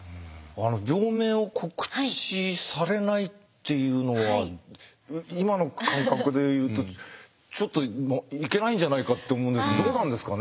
病名を告知されないっていうのは今の感覚で言うとちょっといけないんじゃないかって思うんですけどどうなんですかね。